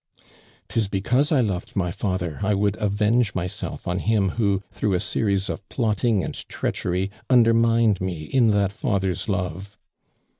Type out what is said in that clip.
" 'Tis because I lovod my father, I would avenge myself on him who, through a series of plotting and treachery, untlermined me in that fathers love."'